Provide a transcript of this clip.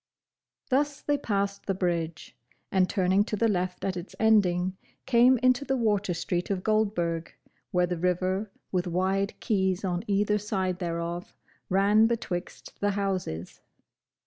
Thus they passed the bridge, and turning to the left at its ending, came into the Water Street of Goldburg, where the river, with wide quays on either side thereof, ran betwixt the houses.